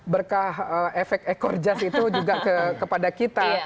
berkah efek ekor jas itu juga kepada kita